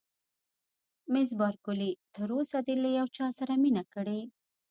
مس بارکلي: تر اوسه دې له یو چا سره مینه کړې؟